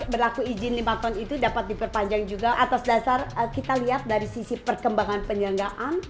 berlaku izin lima ton itu dapat diperpanjang juga atas dasar kita lihat dari sisi perkembangan penyelenggaraan